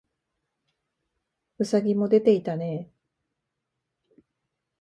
兎もでていたねえ